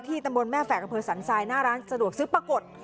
ตำบลแม่แฝกอำเภอสันทรายหน้าร้านสะดวกซื้อปรากฏ